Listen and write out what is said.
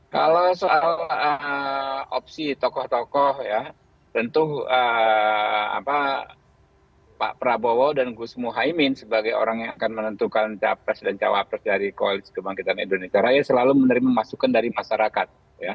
kalau soal opsi tokoh tokoh ya tentu pak prabowo dan gus muhaymin sebagai orang yang akan menentukan capres dan cawapres dari koalisi kebangkitan indonesia raya selalu menerima masukan dari masyarakat